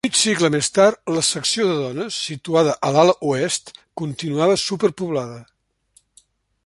Mig segle més tard la secció de dones, situada a l'ala oest, continuava superpoblada.